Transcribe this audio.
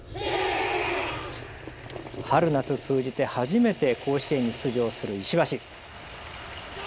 春夏通じて初めて甲子園に出場する石橋。